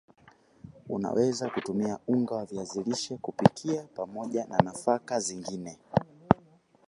unaweza kutumia unga wa viazi lishe kupikia pamoja na nafaka zungine